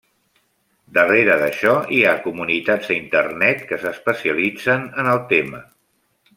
Darrere d'això hi ha comunitats a Internet que s'especialitzen en el tema.